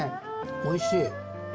おいしい。